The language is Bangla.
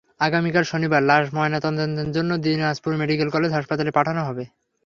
আগামীকাল শনিবার লাশ ময়নাতদন্তের জন্য দিনাজপুর মেডিকেল কলেজ হাসপাতালে পাঠানো হবে।